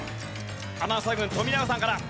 アナウンサー軍富永さんから。